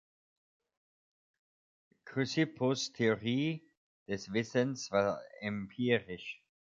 Chrysippus' Theorie des Wissens war empirisch.